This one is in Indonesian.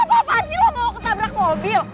lo apa apaan sih lo mau ketabrak mobil